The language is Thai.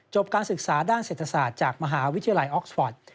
การศึกษาด้านเศรษฐศาสตร์จากมหาวิทยาลัยออกสปอร์ต